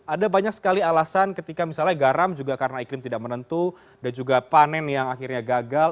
ada banyak sekali alasan ketika misalnya garam juga karena iklim tidak menentu dan juga panen yang akhirnya gagal